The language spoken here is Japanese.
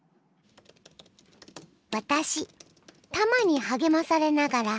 私たまに励まされながら